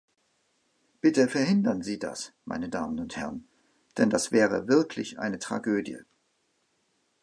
Bitte verhindern Sie das, meine Damen und Herren, denn das wäre wirklich eine Tragödie!